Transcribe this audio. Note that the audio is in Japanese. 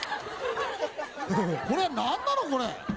これは何なの、これ？